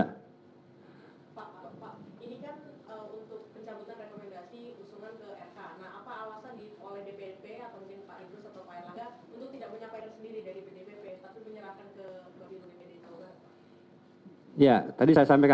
pak ini kan untuk pencabutan rekomendasi usulnya ke rk